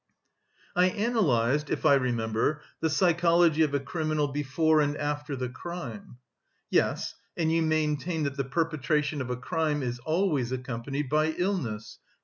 "I analysed, if I remember, the psychology of a criminal before and after the crime." "Yes, and you maintained that the perpetration of a crime is always accompanied by illness.